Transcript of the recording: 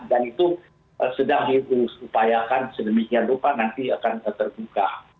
dan itu sedang diupayakan sedemikian lupa nanti akan terbuka